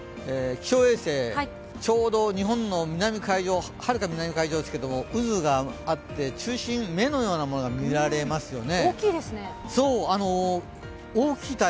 気象衛星、ちょうど日本のはるかに南海上ですけど渦があって中心、目のようなものが見られますよね。